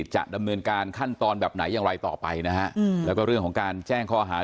จะดำเนินการขั้นตอนแบบไหนอย่างไรต่อไปนะฮะแล้วก็เรื่องของการแจ้งข้อหา